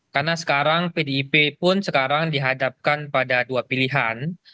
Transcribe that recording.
karena sekarang pdip pun sekarang dihadapkan pada dua pilihan